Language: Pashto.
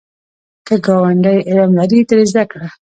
که ګاونډی علم لري، ترې زده کړه